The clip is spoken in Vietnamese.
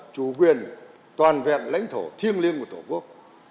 chủ quyền toàn vẹn lãnh thổ thiêng liêng của tổ quốc